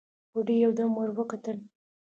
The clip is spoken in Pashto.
بوډۍ يودم ور وکتل: